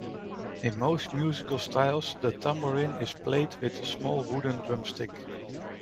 In most musical styles, the tamborim is played with a small wooden drumstick.